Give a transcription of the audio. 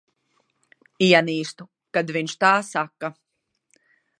Ienīstu, kad viņš tā saka.